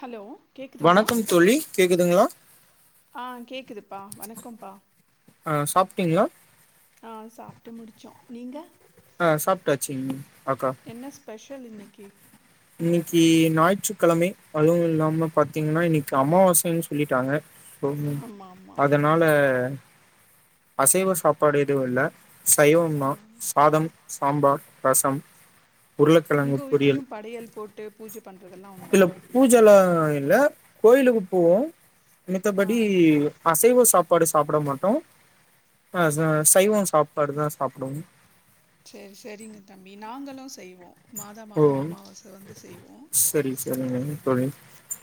Hello கேக்குதுங்களா வணக்கம் தோழி கேக்குதுங்களா ஆ கேக்குதுப்பா வணக்கம்ப்பா ஆஹ்சாப்பட்டீங்களா ஆஹ சாப்பட்டு முடிச்சோம் நீங்க ஆஹ் சாப்பட்டாச்சுங்க என்ன ஸ்பெஷல் இன்னைக்கி இன்னைக்கு ஞாயிற்றுக்கிழமை அதுவும் இல்லாம பாத்தீங்கன்னா இன்னைக்கி அமாவாசைன்னு சொல்லிட்டாங்க சொ ஆமா ஆமா அதனால அசைவ சாப்பாடு எதுவும் இல்ல ஆ சைவம்ண்ணா சாதம் சாம்பார் ரசம் உருளைக்கழங்க உங்க பொறியல் வீட்லயும் படையல் போட்டு பூஜப் இல்ல பூஜ எல்லாம் இ இல்லகோயிலுக்கு போவோம் மித்த ஆ படி அசைவம் சாப்பாடு சாப்பட மாட்டோம் ஆஹ் சைவம் சாப்பாடு தான் சாப்படுவோம் சேர் சேரிங்க தம்பி நாங்குளூ செய்வோ ஓ செரி சேரிங்க தோழி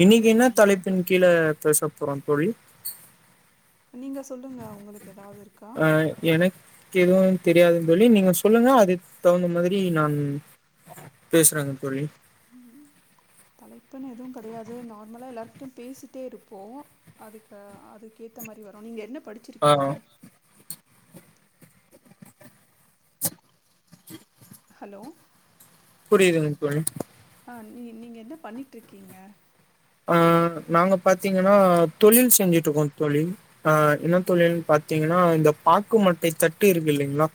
இன்னைக்கு என்ன ம் தலைப்பின் கீழ பேச‌போறம் தோழி நீங்க சொல்லுங்க உங்குளுக் எதாவுது இருக்கா அ எனக்கு எதுவும் தெரியாதுன் தோழி நீங்க சொல்லுங்க அது தகுந்த மாதிரி நான் பேசுறங் தோழி தலைப்புன்னு எதுவும் கிடையாது நார்மலா எல்லாரரு்கிட்டயும் பேசிட்டே இருப்போ அதுக்க அதுக்கேத்த மாரி வரும் நீங்க என்னப் ஆ படிச்சிருக்கீங்க ஹலோ புரியுதுங் தோழி ஆ நீ நீங்க என்ன பண்ணட்டுருக்கீங்க அஹ் நாங்க பாத்தீங்கன்னா தொழில் செஞ்சுட்டு இருக்கோ தோழி ஆஹ் என்ன தொழில் பாத்தீங்கன்னா இந்த பாக்கு மட்டை தட்டு இருக்கு இல்லீங்குளா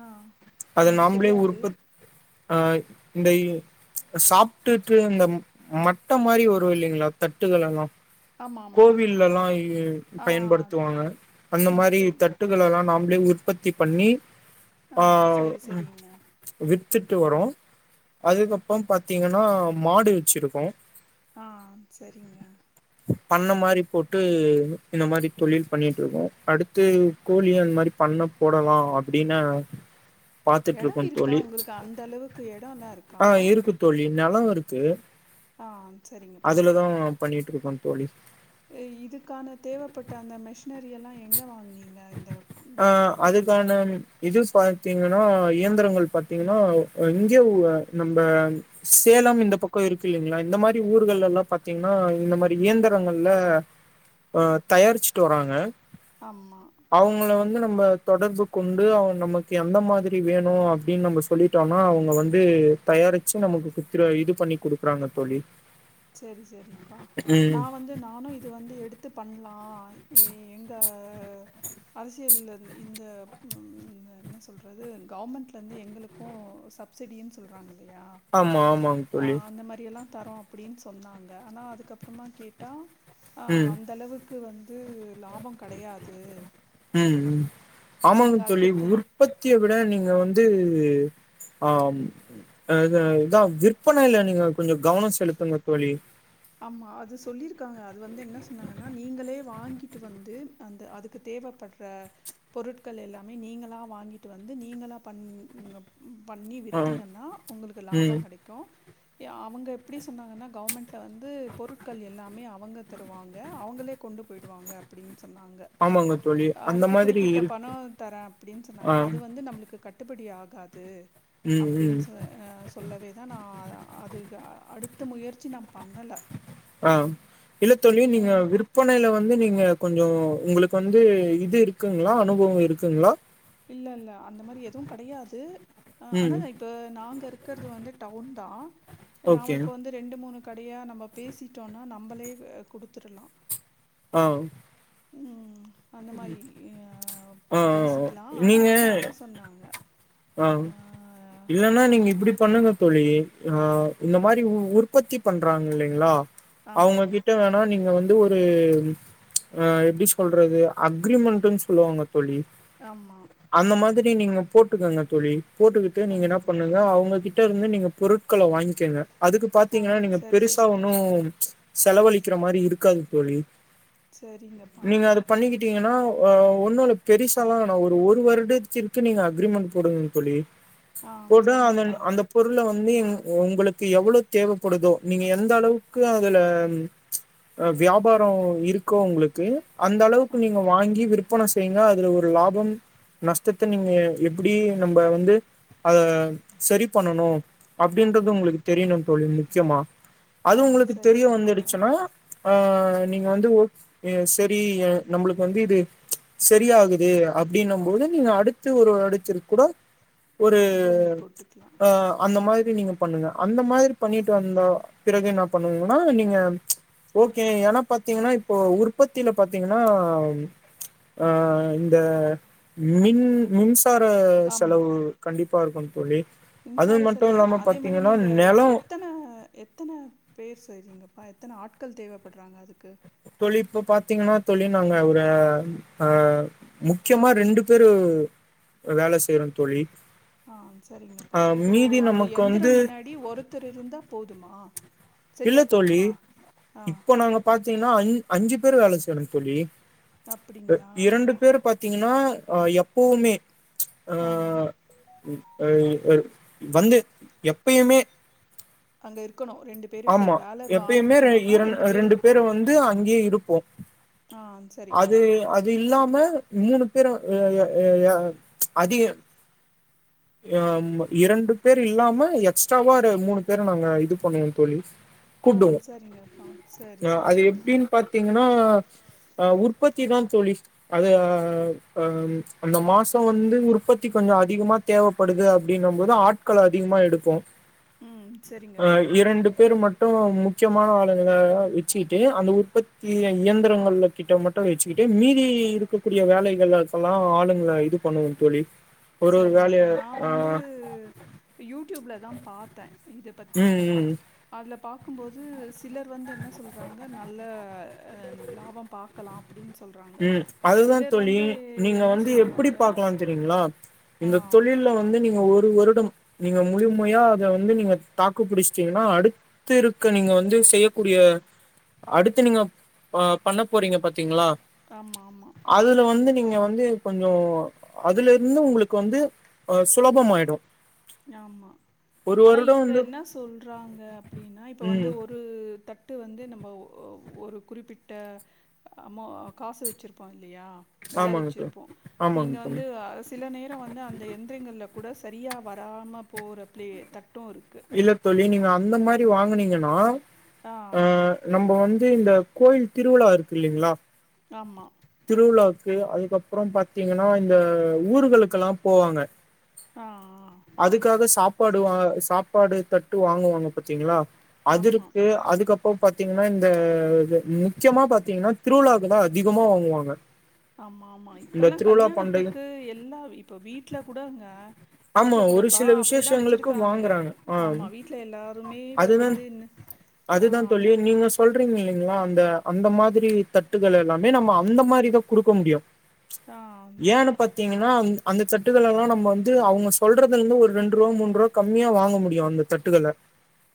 ஆ அத எனக்கு நாம்புளே தெரியாது. உருப்பத் ஆஹ் இந்த இவு சாப்புட்டுட்டு இந்த மட் ட்ட மாரி வரு இல்லீங்களா தட்டுகள் எல்லாம் ஆமா, ஆமா. கோவில்ல எல்லாம் இ ஆ பயன்படுத்துவாங்க அந்த ம் மாரி தெரியும். தட்டுகள் எல்லா நாம் ல்லீங்க உப்பத்தி பண்ணி ஆ ஆஹ் சரி, ம் சரிங்க. விட் வித்துட்டு வரோ அதுக்கப்புறம் பாத்தீங்கன்னா மாடு வெச்சிருக்கோம் ஆஹ் செரிங்க பண்ண மாரி போட்டு இந்த மாரி தொழில் பண்ணிட்டு இருக்கோ அடுத்து கோழி அந் மாரி பண்ணப் போடலா அப்டின்னு எடம் பாத்துட்ருக்கோ இருக்கா தோழி உங்குளுக்கு அந்த அளவுக்கு எடேல்லா ஆ இருக்காப்பா இருக்கு தோழி நெலோ இருக்கு ஆஹ் செரிங்கப்பா பண்ணிட் இருக்கோ தோழி ஏ இதுக்கான தேவைப்பட்ட அந்த மெஷ்னரியல்லா எங்க வாங்கினீங் ஆஹ் அதுகாணன் இதுஸ் பாத்தீங்கன்னோ இயந்திரங்கள் பாத்தீங்கன்னோ இங்கிய உள நம்ம சேலம் இந்த பக்கம் இருக்கு இல்லைங்கிளா இந்த மாரி ஊர்கள்ல எல்லா பாத்தீங்கன்னா இந்த மாரி இயந்திரங்கள்ல அஹ் தயாரிச்சுட்டு வறாங்க ஆமா. அவுங்கள வந்து நம்ம தொடர்பு கொண்டு அவுங்க நமக்கு எந்த மாதிரி வேணு அப்டின் நம்ம சொல்லிட்டோம்னா அவுங்க வந்து தயாரிச்சு நமக்கு குத்துர இது பண்ணி குடுக்குறாங்க தோழி செரி செரிப்பா நா ம் வந்து நானு இது வந்து எடுத்து பண்லா ஏ எங்க அரசியல்ல இந்த ம் என்ன சொல்றது கவுமெண்ட்ல இருந்து எங்குளுக்கு சப்சடியேன் சொல்றாங்க ஆம்மா ஆமாங் தோழி தரோ அப்டின் சொன்னாங்க ஆனா அதுக்கப்புறமா கேட்டா ஆஹ் ம் அந்த அளவுக்கு கிவன் உம் லாபம் கிடையாது ம் ம் ஆமாங்க நீங்கள் தோழி அதுக்கு தே உற்பத்திய விட நீங்க வந்து ஆஹ் இதான் விற்பனையில நீங்க கொஞ்சோ கவனம் செலுத்துங்க தோழி ஆமா. அது சொல்லியிருக்காங்க. அது வந்து என்ன சொன்னாங்கன்னா, நீங்களே வாங்கிட்டு வந்து அந்த அதுக்கு தேவைப்படுற பொருட்கள் எல்லாமே நீங்களா வாங்கிட்டு வந்து நீங்களா பண்ணி பண்ணி ஆ வித்திங்கன்னா உங்களுக்கு ம் லாபம் கிடைக்கும் அவுங்க எப்படி சொன்னாங்கன்னா கவர்மெண்ட் வந்து பொருட்கள் எல்லாமே ஆ அவங்க தருவாங்க அவங்களே கொண்டு போயிடுவாங்க சொன்னாங்க ஆமாங்க தோழி அந்த அதுக்கு மாதிரி குறிப்பிட்ட இருக் பணம் தரே அப்படின்னு சொன்னாங்க ஆ அது வந்து நம்மளுக்கு கட் கட்டுபடி ஆகாது ம் அப்படின்னு ம் சொ சொல்லவே தான் நான் அது அடுத்த முயற்சி நம்ம பண்ணல ஆஹ் இல்லதோழி நீங்க ஏன் விற்பனையில வந்து நீங்க கொஞ்சம் உங்களுக்கு வந்து இது இருக்குங்களா அனுபவம் இருக்குங்களா இல்ல இல்ல அந்த மாதிரி எதுவும் கிடையாது ம் அதாங்க இப்ப நாங்க இருக்கிறது வந்து டவுன் தான் நாம ஓகே இப்ப வந்து ரெண்டு மூணு கடையா நம்ம பேசிட்டோம்னா நம்மளே கொடுத்துடலாம் ஆஹ் உம் அந்த மாதிரி ஆஹ் ஆ பேசிக்கலாம் ஆனா வந்து அதா சொன்னாங்க ஆஹ் ஆ இலலன்னா நீங்க நான் இப்படி பண்ணுங்க தோழி ழி ஆஹ் இந்த மாதிரி உற்பத்தி பண்றாங்க இல்லைங்களா ஆமா, அவங்ககிட்ட வேணா நீங்க வந்து ஒரு எப்படி சொல்றது அக்ரிமெண்ட்ன்னு சொல்லுவாங்க தோழி ஆமா. அந்த மாதிரி நீங்க போட்டு போட்டூக்கோங்க தோழி போட்டுக்கிட்டு ஆ. நீங்க என்ன பண்ணுங்க அவங்க கிட் அவுங்ககிட்ட இருந்து நீங்க பொருட்கள வாங்கிக்கோங்க அதுக்கு ஆ பாத்தீங்கன்னா நீங்க சரி, பெருசா சரிப்பா. ஒண்ணும் செலவழிக்கிற மாதிரி இருக்காது தோழி செரிங்கப்பா பண்ணிங்கன்னா ஒன்னு பெருசாம் ஒரு வருடத்திற்கு நீங்க அக்ரிமெண்ட் போடுங்க தோழி ஆ போட அந்த சரிங்கப்பா. அந்த பொருளை வந்து வந்து உங்களுக்கு எவ்வளவு தேவைப்படுதோ நீங்க எந்த அளவுக்கு அதுல வியாபாரம் இருக்கோ உங்களுக்கு அந்த அளவுக்கு நீங்க வாங்கி விற்பனை செய்யுங்க அதுல ஒரு லாபம் நஷ்டத்தை நீங்க அப்படி நம்ம வந்து அத சரி பண்ணணும் இருக்குன்றது அப்படின்றது உங்களுக்கு உங்ளுக்கு தெரியணும் தொழில் முக்கியமா தோழி ஆ அது உங்களுக்கு சரி தெரிய சரிங்கப்பா வந்துடுச்சுன்னா ஆ நீங்க வந்து சரி நம்ளுக்கு வந்து இத சரியாகுது அப்டின்னம் போது நீங்க அடுத்து ஒரு அடுத் திருக்குட ஒரு அக்ரிமெண்ட் போட்டுக்கலா ஆஹ அந்த மாரி நீங்க பண்ணுங்க அந்த மாரி பண்ணிட்டு வந்தா பிறகு என்ன பண்ணனுனா நீங்க ஓகே ஏனாபாத்தீங்னா இப்ப உற்பத்தியில பாத்தீங்கன்னா இந்த மின் மின்ஸ் சார செலவு கண்டிப்பா இருக்கு [unintelligible] அது மின்சார மட்டு செலவு இல்லாம அதே மாரி பாத்தீங்கன்னா நீங்க நெலோ எத்தன எத்தன பேர் செய்றீங்க பா எத்தன ஆட்கள் தேவைப்படுறாங்க அதுக்கு தோழி இப்ப பாத்தீங்னா தோழி நாங்க ஒரு ஆஹ் முக்கியமா ரெண்டு பேரு வேல செய்றோ தொழி ஆஹ் சரிங்கப்பா இப்போ அந்த நமக்கு வந்து எந்திரம் முன்னாடி ஒருத்தர் இருந்தா போதுமா ஆ இல்ல சரியா தோழி போகுமா இப்ப நாங்க பாத் த்தீங்னா அஞ் அஞ்சி பேர் வேல செய்றோம் தோழி அப்டிங்களா இரண்டு பேர் பாத்தீங்கன்னா ஆஹ எப்பவுமே ஆ ஹ ஹ வந்து எப்பயுமே அங்க இருக் ஆமா எப்பயுமே இர பேர் ரெண்டு பேரு இருக்கணும். வந்து அங்கேயே இருப்போம் ஆ அது சரிங்கப்பா. அது இல்லாம மூணு பேரும் ஹ ஹ ஹ யா அதிக ஆஹ் இரண்டு பேர் இல்லாம எக்ஸ்ட்ராவா மூணு பேரு நாங்க இது பண்ணுவோ தோழி ஆ கூப்டுவோம் சரிங்கப்பா. சரி அஹ் அது சரிங்க. எப்டின் பாத்தீங்னா அ உற்பத்தி தான் தோழி அது ஹ அந் அந்த மாசம் வந்து உற்பத்தி கொஞ்ச அதிகமா தேவப்படுது அப்டனும் போது ஆட்கள் அதிகமா எடுக்கும் ம் அ சரிங்கப்பா. இரண்டு பேர் மட்டும் மு முக்கியமான ஆளுங்க விச்சிட்டு அந்த உற்பத்தி இயந்திரங்கள் கிட்ட மட்டும் வச்சிகிட்டு மீதி இருக்கக்கூடிய வேலைகளா சொல்லா ஆளுங்க இது பண்ணுவ தோழி ஒரு வேலைய இங்கப்ப நா ஆ வந்து யூட் டியூப்ல தான் பாத்தேன் இத பத்தி ம் ம் அதிலப் பாக்கும்போது ஸ் தில்லர் வந்து என்ன சொல்றாங்க நல்ல லாப பாக்கலாம் அப்டின்னு சொல்றாங்க. உம் அதுதா சிலர் தோழி வந்து நீங்க என்ன வந்து எப்டி சொல்றாங்க பாக்கலா தெரியீங்களா ஆ. இந்த தொழில்ல வந்து நீங்க ஒரு வருடம் நீங்க முழுமையா அத வந்து நீங்க தாக்கு பிடிச்சிட்டீங்கன்னா அடுத்து இருக்க நீங்க வந்து செய்யக்கூடிய அடுத்து நீங்க பண்ண போறீங்க பாத்தீங்களா ஆமா ஆமா. அதுல வந்து நீங் க வந்து கொஞ்சம் அதுல இருந்து உங்களுக்கு வந்து சுலபம் ஆயிடும் ஆமா ஆனா இவங்க வந்து என்ன சொல்றாங்க அப்படின்னா இப்ப வந்து ம் ஒரு தட் டு வந்து நம்ம ஒ ஒரு குறிப்பிட்ட அமோ காசு வச்சுருப்போம் இல்லையா வலை ஆமாங்க தோழி வச்சிருப்போம் ஆமாங்க நீங்க தோழி வந்து சில நேரம் வந்து அந்த எந்திரங்கள்ல கூட சரியாவார் வேகம போற ப்ளே தட் இல்ல தோலி நீங்க அந்த மாரி வாங்கனீங்கன்னா ஆ அஹ் நம வந்து இந்த கோயில் திருவிழா இருக்கு இல்லைங்களா ஆமா திருவிழா அதுக்கப்புறம் பாத்தீங்கன்னா இந்த ஊர்கக்கெல்லாம் போவாங்க ஆ ஆ, அதுக்காக சாப் சப்பாடுவ சாப் ப்பாடு தட்டு வாங்குவாங்க பாத்தீங்களா அது ஆமா இருக்கு அதுக்கப் இப்போ பாத்தீங்கன்னா இந்த முக்கியமா பாத்தீங்கன்னா திருவிழாவுல அதிகமா வாங்குவாங்க ஆமா ஆமா இந்த இப்பலாம் திருவிழா பண்டைய கல்யாணத்துக்கு எல்லா இப்ப வீட்டுல கூடங்க ஆமா வீட்டில் ஒரு கூடப்பா சில அப்படி தான் விசேஷங்களுக்கு வச்சுருக்காங்க வாங்குறாங்க ஆஹ் ஆமாம் வீட்டில் எல்லாருமே இப்போ அதுதான் வந்து என்ன- ஆ, அதுதான் அந்த தோலி நீங்க சொல்றீங்ளே ங்களா அந்த அந்த மாதிரி தட்டுகள் எல்லாமே நம்ம அந்த மாதிரிதான் குடுக்க முடியும் ஆ ஏன்னு பாத்தீங்க அந்த சட்டுகள் எல்லாம் நம்ம வந் ந்து அவங்க சொல்றதுல இருந்து ஒரு ரெண்டு ரூபா மூண்ரூபா கம்மியா வாங்க முடியும் அந்த தட்டுக்கள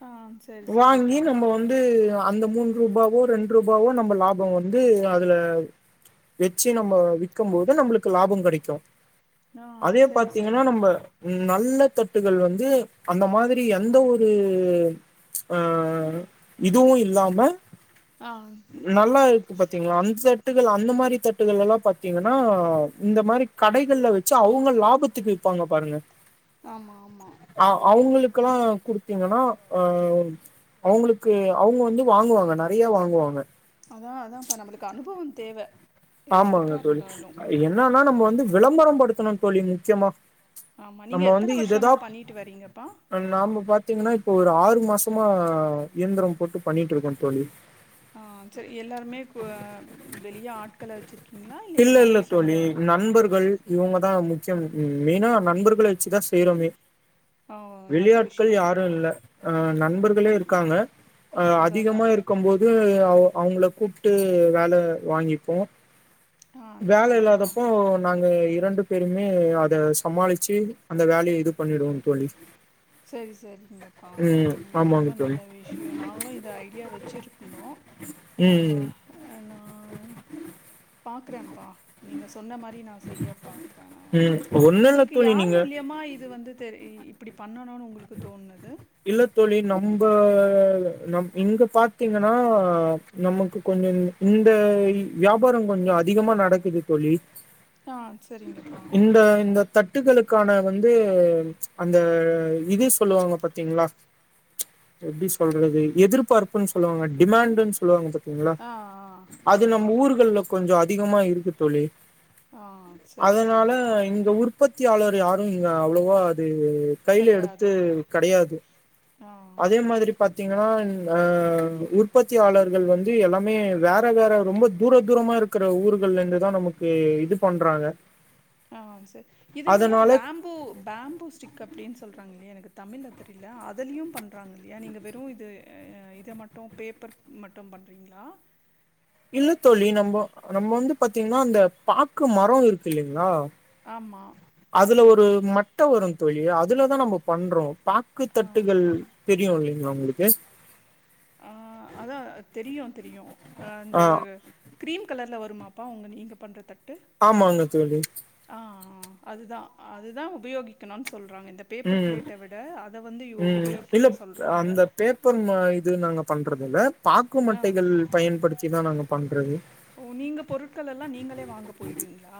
ஆ சரி வாங்கி சரிப்பா நம்ம வந்து அந்த மூணு ரூபாவோ ரெண்டு ரூபாவோ நம்ம லாபம் வந்து அதுல வெச்சு நம்ம வி்க்கும் போது நம்மளுக்கு லாபம் கெடைக்கும் ஆஹ் சரி சரி என்னா நம்ப நல் ல தட்டுகள் வந்து அந்த மாரி எந்த ஒரு ஆஹ் இதுவும் இல்லாம ஆ நல்லா இருக்கு பாத்தீங்களா அன்சர் ட்டு அந்த மாதிரி தட்டுகள் எல்லாம் பாத்தீங்கன்னா இந்த மாதிரி கடைகள்ல வச்சு அவங்க லாபத் த்துக்கு விப்பாங்க பாருங்க ஆமா ஆமா க்கல்லாம்குடுத்தீங்னா ஆஹ் அவங்களுக்கு அவங்க வந்து வாங்குவாங்க நெறைய வாங்குவாங்க அதான் அதான்ப்பா நம்மளுக்கு அனுபவம் தேவ எதுக்கா ஆமாங்க தோழி இருந்தாலு என்னன்னா நம்ம வந்து விளம்பரம் படுத்தணும் தோழி முக்கியமா ஆமா நீங்க நம்ம வந்து எத்தன இததா வருஷமா பண்ணிட்டு வரீங்கப்பா நாம பாத்தீங்கன்னா இப்ப ஒரு ஆறு மாசமா இயந்திரம் போட்டு பண்ணிட்டு இருக்கோம் தோழி ஆஹ் செரி எல்லாருமே இப்போ வெளிய ஆட்கள வச்சிருக்க இல்ல இல்ல தோழி நண்பர்கள் இவங்க தான் முக்கியம் மெய்னா நண்பர்கள வச்சுதான் செய்றமே ஓ நல்ல வெளியாட்கள் விஷயம்ப்பா யாரும் இல்ல அஹ் ஆ நண்பர்களே இருக்காங்க அஹ் அதா அதா அதிகமா இருக்கும் போது அவ அவங்கள கூப்பிட்டு வேல வாங்கிப்போம் ஆ வேல சரிங்கப்பா இல்லாதப்போ நாங்க எப் ரெண்டு பேருமே அத சமாளிச்சு அந்த வேலய இது பண்ணிடுவோம் தோழி செரி செரிங்கப்பா ம் ரொம்ப ஆமாங்க தோழி நல்ல விஷயம் நாங்களும் இத ஐடியா வச்சுருந்தோம் ம் ஆஹ் நான் பாக்குறேன்ப்பா நீங்க சொன்ன மாரி செய்ய பாக்குர நான் வந்து ம் ஒண்ணு இல்ல உங்களுக்கு தோழி யார் நீங்க மூல்யமா இது வந்து தெரி இப்படி பண்ணனுன்னு உங்களுக்கு தோன்னது இல்ல தோழி நம்ப இங்க பாத்தீங்கன்னா நமக்கு கொஞ்சம் இந்த வியாபாரம் கொஞ்சம் அதிகமா நடக்குது தோழி ஆஹ் சரிங்கப்பா தட்டுக்களுக்கான வந்து அந்த இது சொல்லுவாங்க ப்ப ங்களா எப்படி சொல்றது எதிர்பார்ப்புன்னு சொல்லுவாங்க டிமான்டு சொல்லுவாங்க ப ங்களா ஆ ஆ அது நம்ம ஆமாம் ஊர்கள்ல கொஞ்சம் அத் அதிகமா இருக்கு தோழி ஆ சரி அதனால சரிப்பா இங்க உற்பத்தி ர்த்தியாளர் யாரும் இங்க அவ்வளோவா அது இவ் கையில எடுத்து கிடையாது அது ஆ அதே மாதிரி பாத்தீங்கன்னா அஹ் உற்பத்தியாளர்கள் வந்து எல்லாமே வேற வேற ரொம்ப தூர தூரமா இருக்கிற ஊர்கள்ல இருந்துதான் நமக்கு இது பண்றாங்க ஆஹ் சார் இதுலயே அதனால பேம்பு பேம்பு ஸ்டிக் அப்டின்னு சொல்றாங்க இல்லயா எனக்கு தமிழில் தெரியல அததுலயும் பண்றாங்க இல்லயா நீங்கள் வெறும் இது இத மட்டும் பேப்பர் மட்டும் பண்றீங்களா இல்ல தோழி நம்ப நம்ம வந்து பாத்தீங்கன்னா அந்த பாக்கு மரம் இருக்கு இல்லங்களா ஆம்மாா அதுல ஒரு மட்ட வரும் தோழி அதுலதான் நம்ம பண்றோம் பாக்கு ஆ தட்டுகள் தெரியும் இல்லய உங்களுக்கு அ அதான் தெரியும் தெரியும் அ அந்த ஆஹ் கிரீன் கலரில் வருமாப்பா உங்கள் நீங்கள் பண்ணுறதா ஆமாங்க துளி அதுதான் அதுதான் உபயோகிக்கனும் சொ இந்த பேப்பர் உம் பிளேட்ட விட அத வந்து ம் இல்ல உபயோகிக்க சொல்றாங்க அந்த பேப்பர் ம இது நாங்க பண்றது இல்ல பாக்கு ஆ மட்டகள் பயன்படுத்தி தான் நாக்கா பண்றது ஓ நீங்க பொருட்கள் எல்லாம் நீங்களே வாங்க போயிடுவீங்களா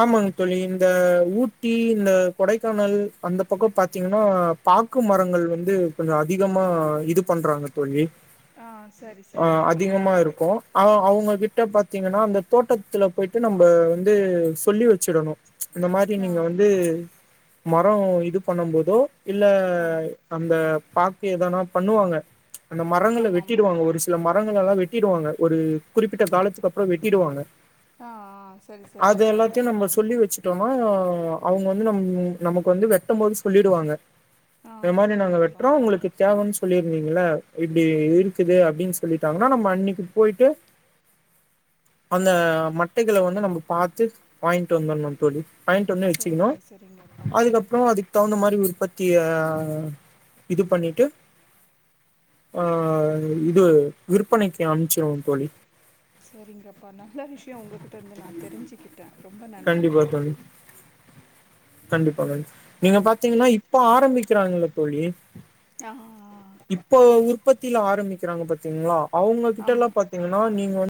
ஆமாங்க தொழி இந்தஊ இ இந்த கொடைக்கானல் அந்த பக்கம் பாத்தீங்கன்னா பாக்கு மரங்கள் வந்து கொஞ்சம் அதிகமா இது பண்றாங்க தோழி ஆ சரி அ சரிங்கப்பா அதிகமா இருக்கும் அ அவங்க கிட்ட பாத்தீங்கன்னா அந்த தோட்டத்துல போயிட்டு நம்ம வந்து சொல்லி வச்சிடணும் இந்த மாரி நீங்க ஆ வந்து மரம் இதுப் பண்ணும்போதோ இல்ல ஆ அந்த பாக்கு எதான பண்ணுவாங்க அந்த மரங்கள ஆமா ஆமா வெட்டிடுவாங்க ஒரு சில மரங்கள் எல்லாம் வெட்டி வெட்டிடுவாங்க ஒரு குறிப்பிட்ட காலத்துக்கு அப்பறம் வெட்டிடுவாங்க ஆஹ்ஹ் செரி செரிப்பா ஆமா அவங்க வந்து நம் நமக்கு வந்து வெ வெட்ட போது சொல்லிடுவாங்க ஆ இந்த மாதிரி நாங்க சரிங்கப்பா வெட்டுறோம் உங்களுக்கு தேவைன்னு சொல்லி இல்ங்களா இப்டி இருக்குது அப்டின்னு சொல்லிட்டாங்கன்னா நம்ம அன்னைக்கு போயிட்டு அந்த மட்டைகள வந்து நம்ம பாத்து வாங்கிட்டு வந்தணும் தோழி வாங்கிட்டு வந்து வச்சுக்கணும் சரிங்க சரிங்கப்பா அதுக்கப் அப்புறம் அதுக்கு தகுந்த மாரி உற்பத்திய ஹ இது பண்ணிட்டு ஆஹ் இது விற்பனைக்கு அனுப்பிச்சிடுவோம் தோழி சரிங்கப்பா நல்ல விஷயம் உங்க உன்கிட்ட இருந்து நான் தெரிஞ்சுக்கிட்டேன் ரொம்ப கண்டிப்பா நன்றிப்பா தோழி கண்டிப்பா கண்டி நீங்க பாத்தீங்கன்னா இப்ப ஆரம்பிக் நிக்குறாங்க தோழி ஆஹ்ஹ் உற்பத்தி ஆரம்பிக்கிறாங்க பாத்தீங்களா அவங்க கிட்ட எல்லா ஆமா பாத்தீங்கன்னா நீங்க வந்து